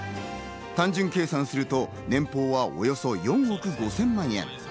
単純計算すると、年俸はおよそ４億５０００万円。